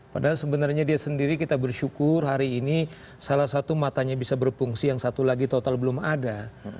padahal sebenarnya dia sendiri kita bersyukur hari ini salah satu matanya bisa berfungsi yang satu lagi total belum ada